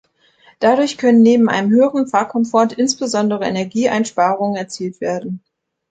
Dadurch können neben einem höheren Fahrkomfort insbesondere Energieeinsparungen erzielt werden.